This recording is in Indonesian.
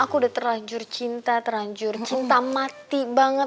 aku udah terlanjur cinta teranjur cinta mati banget